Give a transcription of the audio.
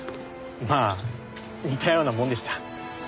まあ似たようなもんでした。